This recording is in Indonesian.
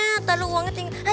ntar dulu uangnya tinggal